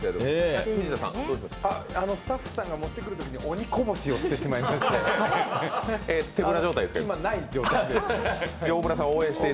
スタッフさんが持ってくるときに、鬼こぼしをしてしまいまして、